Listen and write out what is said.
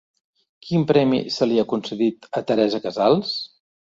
Quin premi se li ha concedit a Teresa Casals?